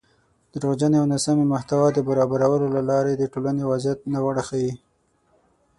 دروغجنې او ناسمې محتوا د برابرولو له لارې د ټولنۍ وضعیت ناوړه وښيي